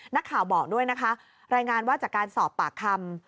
นักข่าวบอกด้วยนะคะรายงานว่าจากการสอบปากคำ